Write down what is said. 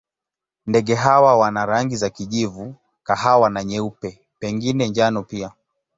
Ndege hawa wana rangi za kijivu, kahawa na nyeupe, pengine njano pia.